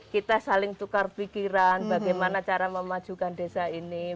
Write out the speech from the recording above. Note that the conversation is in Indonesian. kita saling tukar pikiran bagaimana cara memajukan desa ini